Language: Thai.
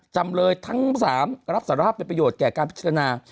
จำเลยทั้ง๓รับสารภาพเป็นประโยชนแก่การพิจารณา